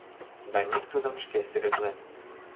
Даник тудым шке сӱретлен.